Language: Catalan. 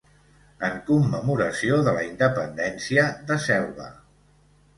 En commemoració de la independència de Selva.